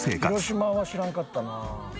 広島は知らんかったな。